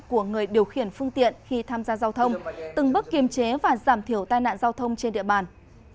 của người điều khiển phương tiện khi tham gia giao thông từng bước kiềm chế và giảm thiểu tai nạn giao thông trên địa bàn